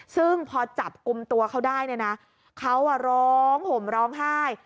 ซึ่งพอจับกลุ่มตัวเขาได้เนี่ยนะเขาร้องห่มร้องไห้